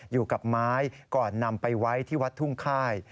อยู่กับไม้ก่อนนำไปไว้ที่วัดทุ่งค่าย